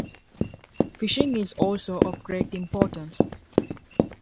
Fishing is also of great importance.